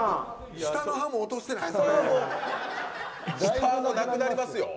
下の歯もなくなりますよ。